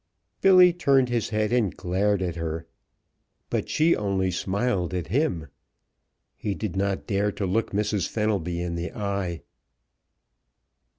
Billy turned his head and glared at her. But she only smiled at him. He did not dare to look Mrs. Fenelby in the eye.